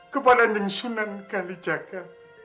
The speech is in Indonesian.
kepada ndeng sunan kandijaka